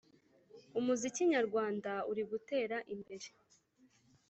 Umuziki nyarwanda uri gutera imbere